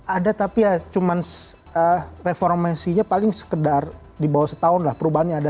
ada tapi ya cuman reformasinya paling sekedar di bawah setahun lah perubahannya ada